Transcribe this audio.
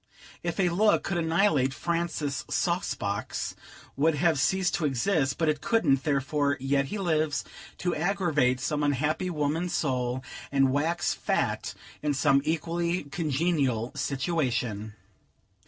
If a look could annihilate, Francis Saucebox would have ceased to exist; but it couldn't; therefore, he yet lives, to aggravate some unhappy woman's soul, and wax fat in some equally congenial situation.